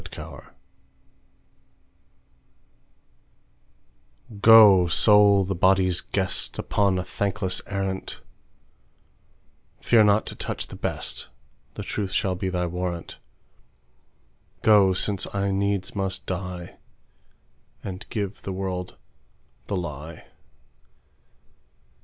The Lie GO, Soul, the body's guest, Upon a thankless arrant:Fear not to touch the best; The truth shall be thy warrant:Go, since I needs must die, And give the world the lie.